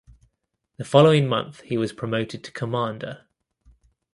The following month he was promoted to commander.